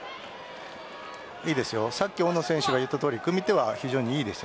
さっき大野選手が言ったとおり組み手は非常に良いです。